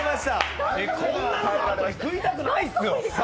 こんなののあと、食いたくないですよ。